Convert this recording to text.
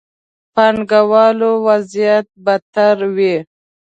پانګه والو وضعيت بدتر وي.